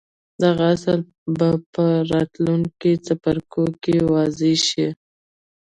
دغه اصل به په راتلونکو څپرکو کې واضح شي.